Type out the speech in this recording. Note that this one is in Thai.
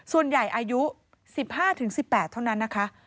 ส่วนใหญ่อายุ๑๕ถึง๑๘เท่านั้นนะคะ